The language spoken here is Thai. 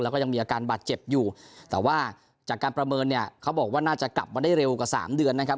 แล้วก็ยังมีอาการบาดเจ็บอยู่แต่ว่าจากการประเมินเนี่ยเขาบอกว่าน่าจะกลับมาได้เร็วกว่าสามเดือนนะครับ